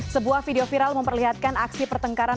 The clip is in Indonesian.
sebuah video viral memperlihatkan aksi pertengkaran